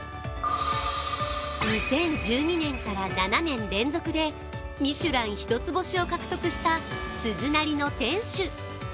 ２０１２年から７年連続でミシュラン１つ星を獲得した鈴なりの店主。